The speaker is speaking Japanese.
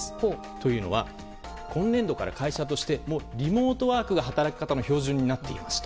というのも今年度から会社としてリモートワークが働き方の標準になっていますと。